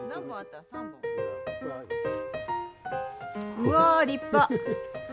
うわ立派！